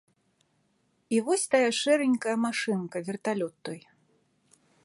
І вось тая шэранькая машынка, верталёт той.